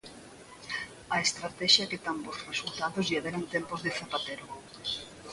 A estratexia que tan bos resultados lle dera en tempos de Zapatero.